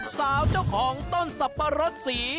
สาวเจ้าของต้นสับปะรดสี